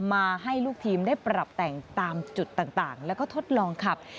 มาให้ลูกทีมได้ปรับแต่งตามจุดต่างแล้วก็ทดลองขับ